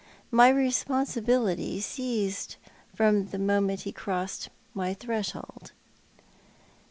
My responsibility ceased from the moment he crossed my threshold."